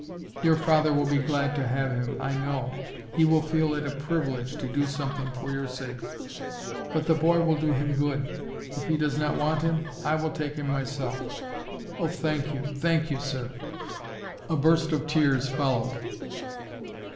"Your father will be glad to have him, I know. He will feel it a privilege to do something for your sake. But the boy will do him good. If he does not want him, I will take him myself." "Oh! thank you, thank you, sir." A burst of tears followed.